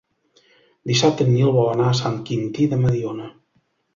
Dissabte en Nil vol anar a Sant Quintí de Mediona.